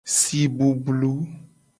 Si blublu.